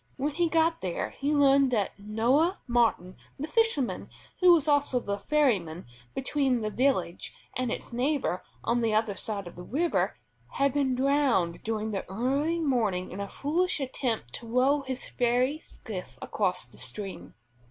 When he got there he learned that Noah Martin the fisherman who was also the ferryman between the village and its neighbor on the other side of the river, had been drowned during the early morning in a foolish attempt to row his ferry skiff across the stream.